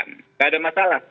nggak ada masalah